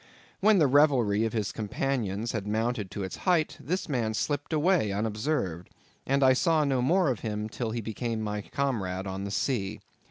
When the revelry of his companions had mounted to its height, this man slipped away unobserved, and I saw no more of him till he became my comrade on the sea.